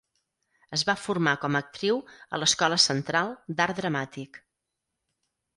Es va formar com a actriu a l'Escola Central d'Art Dramàtic.